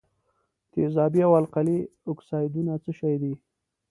تیزابي او القلي اکسایدونه څه شی دي؟